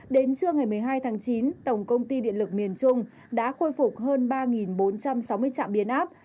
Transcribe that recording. đến trưa ngày một mươi hai tháng chín tổng công ty điện lực miền trung đã khôi phục hơn ba bốn trăm sáu mươi trạm biến áp